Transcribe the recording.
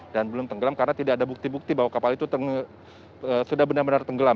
dan belum tenggelam karena tidak ada bukti bukti bahwa kapal itu sudah benar benar tenggelam